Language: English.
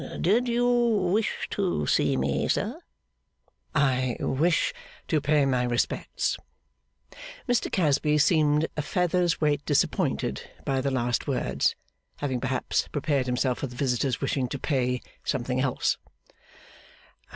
Did you wish to see me, sir?' 'I wished to pay my respects.' Mr Casby seemed a feather's weight disappointed by the last words, having perhaps prepared himself for the visitor's wishing to pay something else.